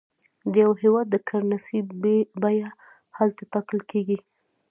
د یو هېواد د کرنسۍ بیه هلته ټاکل کېږي.